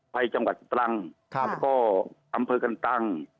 ไปจังหวัดตรังแล้วก็อำเภอกันตัง